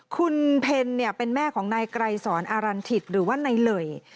คุณเพลเป็นแม่ของนายไกรสอนอารันถิตหรือว่านายเหลย